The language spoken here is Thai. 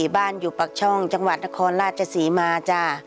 บ้านอยู่ปากช่องจังหวัดนครราชศรีมาจ้า